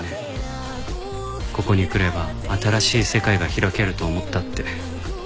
ここに来れば新しい世界が開けると思ったって。